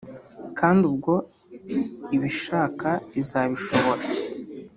kandi ubwo ibishaka izabishobora